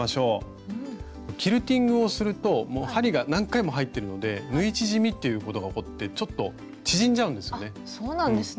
キルティングをするともう針が何回も入ってるので縫い縮みっていうことが起こってちょっと縮んじゃうんですよね。